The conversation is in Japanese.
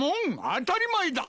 当たり前だ。